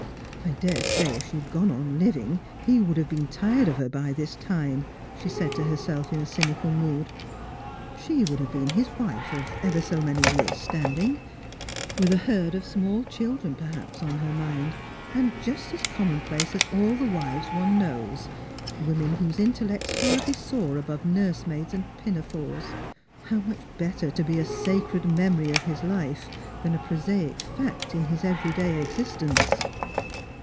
" I daresay if she had gone on living he would have been tired of her by this time," she said to herself in a cynical mood, " She would have been his wife of ever so many years' standing, with a herd of small children, perhaps, on her mind, and just as commonplace as all the wives one knows — women whose in tellects hardly soar above nursemaids and pinafores. How much better to be a sacred memory of his life than a prosaic fact in his everyday existence